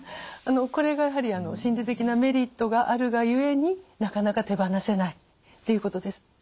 これがやはり心理的なメリットがあるがゆえになかなか手放せないっていうことです。